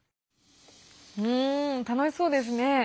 楽しそうですね。